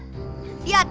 lihat ada yang jahat